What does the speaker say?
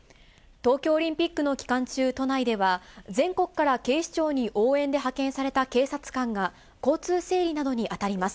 東京オリンピックの期間中、都内では、全国から警視庁に応援で派遣された警察官が、交通整理などに当たります。